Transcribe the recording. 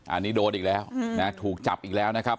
อันนี้โดนอีกแล้วนะถูกจับอีกแล้วนะครับ